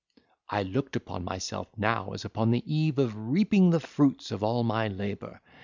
"I looked upon myself now as upon the eve of reaping the fruits of all my labour.